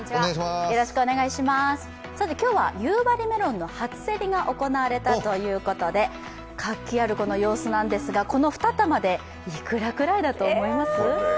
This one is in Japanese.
今日は夕張メロンの初競りが行われたということで活気ある様子なんですが、この２玉でいくらぐらいだと思います？